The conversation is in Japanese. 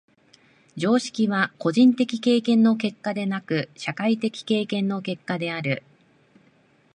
常識は個人的経験の結果でなく、社会的経験の結果である。